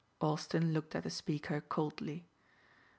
Austin looked at the speaker coldly.